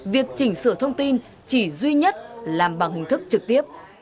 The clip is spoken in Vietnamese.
việc chỉnh sửa thông tin chỉ duy nhất làm bằng hình thức trực tiếp